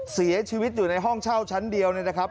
เสียชีวิตอยู่ในห้องเช่าชั้นเดียวเนี่ยนะครับ